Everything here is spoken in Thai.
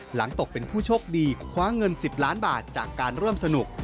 หลังตกเป็นผู้โชคดีคว้าเงิน๑๐ล้านบาทจากการร่วมสนุก